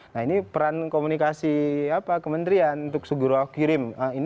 nah ini peran komunikasi kementerian untuk segera kirim